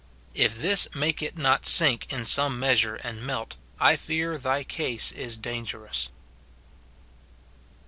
If this make it not sink in some measure and melt, I fear thy case is dangerous.